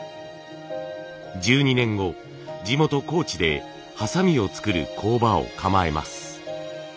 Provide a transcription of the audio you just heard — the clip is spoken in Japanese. １２年後地元高知で鋏を作る工場を構えます。